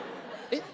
え？